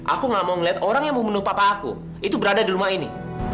aku gak mau ngeliat orang yang membunuh papa aku itu berada di rumah ini